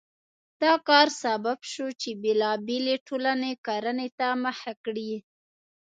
دا کار سبب شو چې بېلابېلې ټولنې کرنې ته مخه کړي.